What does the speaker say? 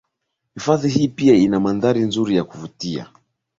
Hifadhi hii pia ina mandhari nzuri ya kuvutia